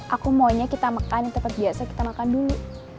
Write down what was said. aku maunya kita makan tetap biasa kita makan dulu